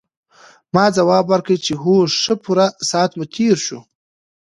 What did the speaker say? ما ځواب ورکړ چې هو ښه پوره ساعت مو تېر شو.